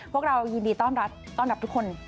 พวกเรายินดีต้อนรับทุกคน